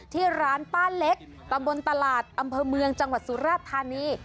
ที่ร้านป้าเล็กตำบลตลาดอำเภอเมืองจังหวัดสุราธานี